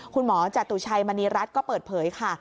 คุณหมอจตุชัยมณีรัฐก็เปิดเผยค่ะ